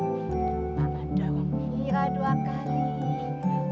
mama dong nyira dua kali